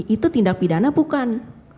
itu tindak pidana bukan